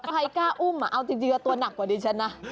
ใครกล้าอุ้มเอาจริงตัวหนักกว่าดิฉันนะ